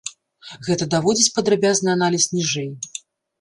Гэта даводзіць падрабязны аналіз ніжэй.